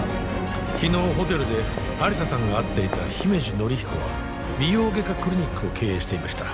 昨日ホテルで亜理紗さんが会っていた姫路紀彦は美容外科クリニックを経営していました